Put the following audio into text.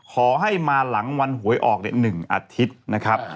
ขอให้มาหลังวันหวยออก๑อาทิตย์นะครับ